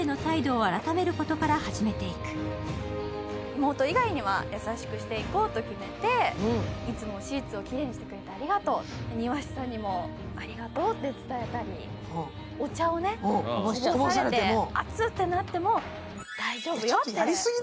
妹以外には優しくしていこうと決めて、いつもシーツをきれいにしてくれてありがとうとか、庭師さんにもありがとうって伝えたりお茶をこぼされて、熱ってなっても大丈夫よって。